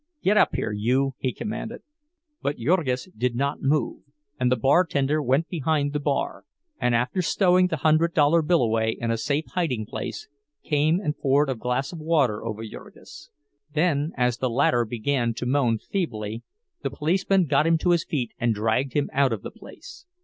"Git up here, you!" he commanded. But Jurgis did not move, and the bartender went behind the bar, and after stowing the hundred dollar bill away in a safe hiding place, came and poured a glass of water over Jurgis. Then, as the latter began to moan feebly, the policeman got him to his feet and dragged him out of the place.